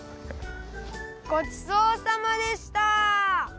ごちそうさまでした！